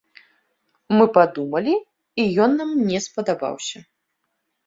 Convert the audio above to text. Мы падумалі, і ён нам не спадабаўся.